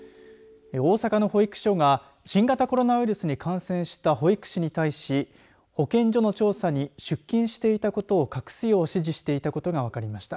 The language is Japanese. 大阪の保育所が新型コロナウイルスに感染した保育士に対し保健所の調査に出勤していたことを隠すよう指示していたことが分かりました。